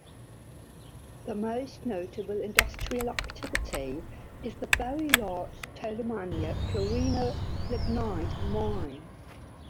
The most notable industrial activity is the very large Ptolemaia-Florina lignite mine.